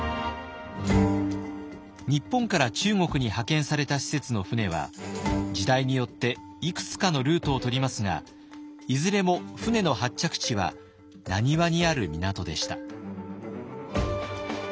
日本から中国に派遣された使節の船は時代によっていくつかのルートをとりますがいずれも船の発着地は難波にある港でした。